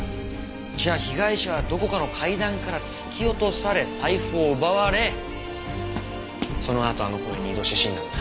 じゃあ被害者はどこかの階段から突き落とされ財布を奪われそのあとあの公園に移動して死んだんだ。